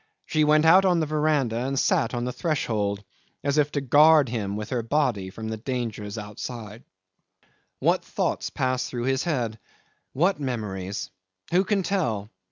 She went out on the verandah and sat on the threshold, as if to guard him with her body from dangers outside. 'What thoughts passed through his head what memories? Who can tell?